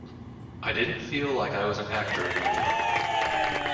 I didn't feel like I was an actor anymore.